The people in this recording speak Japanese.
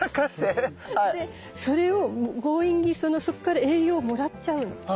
でそれを強引にそっから栄養をもらっちゃうの。